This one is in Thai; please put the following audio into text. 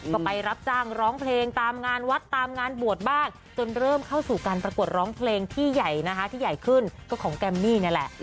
ก็ไปรับจ้างร้องเพลงตามงานวัดตามงานบวชบ้างจนเริ่มเข้าสู่การประกวดร้องเพลงที่ใหญ่นะคะที่ใหญ่ขึ้นก็ของแกมมี่นี่แหละ